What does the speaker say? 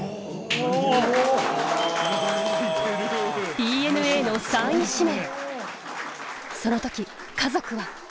ＤｅＮＡの３位指名。